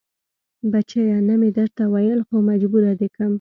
بچيه نه مې درته ويل خو مجبور دې کم.